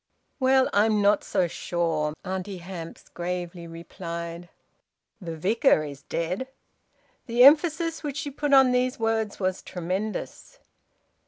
"Well, I'm not so sure," Auntie Hamps gravely replied. "The Vicar is dead." The emphasis which she put on these words was tremendous.